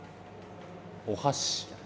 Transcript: お箸。